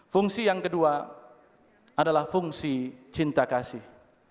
fungsi yang kedua adalah fungsi cinta kasih